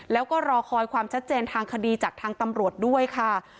แล้วก็รอคอยความชัดเจนทางคดีจากทางตำรวจด้วยค่ะ